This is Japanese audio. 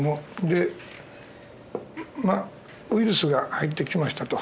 でまあウイルスが入ってきましたと。